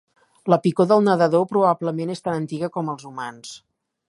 La picor del nedador probablement és tan antiga com els humans.